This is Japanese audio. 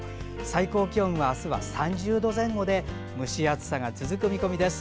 最高気温は、あすは３０度前後で蒸し暑さが続く見込みです。